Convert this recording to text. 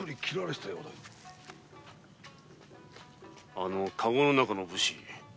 あのカゴの中の武士